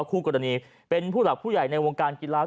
คู่กรณีเป็นผู้หลักผู้ใหญ่ในวงการกีฬา